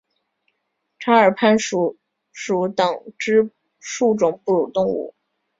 长耳攀鼠属等之数种哺乳动物。